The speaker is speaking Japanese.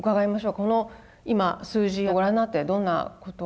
この今数字をご覧になってどんなこと思いますか？